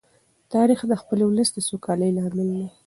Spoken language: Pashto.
تاریخ د خپل ولس د سوکالۍ لامل دی.